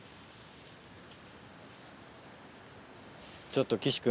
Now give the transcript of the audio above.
ちょっと岸君。